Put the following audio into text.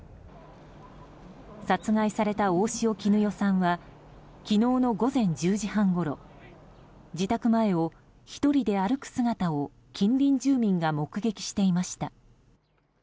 殺害された大塩衣與さんは昨日の午前１０時半ごろ自宅前を１人で歩く姿を近隣住民が目撃していました。